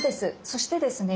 そしてですね